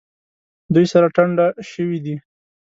دوی سره ټنډه شوي دي.